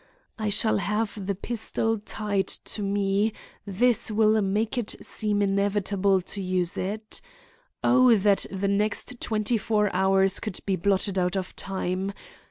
I shall have the pistol tied to me; this will make it seem inevitable to use it. Oh! that the next twenty four hours could be blotted out of time!